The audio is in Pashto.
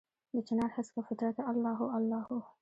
دچنارهسکه فطرته الله هو، الله هو